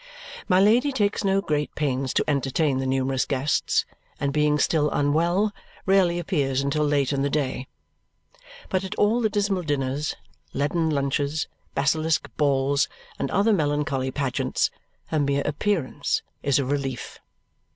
My Lady takes no great pains to entertain the numerous guests, and being still unwell, rarely appears until late in the day. But at all the dismal dinners, leaden lunches, basilisk balls, and other melancholy pageants, her mere appearance is a relief.